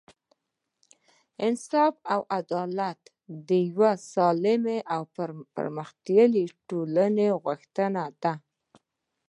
انصاف او عدالت د یوې سالمې او پرمختللې ټولنې غوښتنه ده.